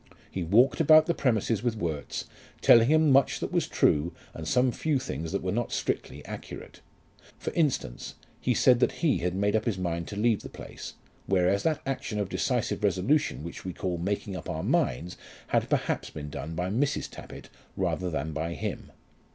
He walked about the premises with Worts, telling him much that was true, and some few things that were not strictly accurate. For instance, he said that he had made up his mind to leave the place, whereas that action of decisive resolution which we call making up our minds had perhaps been done by Mrs. Tappitt rather than by him.